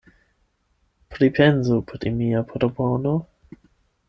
Pripensu pri mia propono.